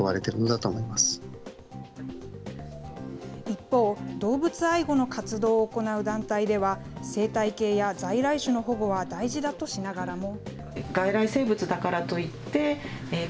一方、動物愛護の活動を行う団体では、生態系や在来種の保護は大事だとしながらも。